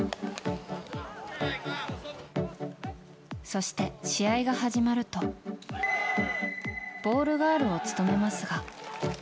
そして、試合が始まるとボールガールを務めますが。